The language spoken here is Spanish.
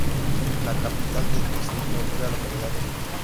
La capital del distrito es la localidad de Mito.